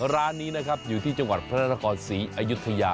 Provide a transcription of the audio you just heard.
ร้านนี้นะครับอยู่ที่จังหวัดพระนครศรีอยุธยา